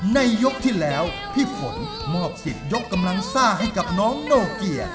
ในยกที่แล้วพี่ฝนมอบสิทธิ์ยกกำลังซ่าให้กับน้องโนเกีย